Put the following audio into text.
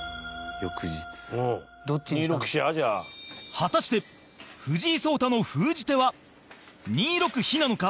果たして、藤井聡太の封じ手は２六飛なのか？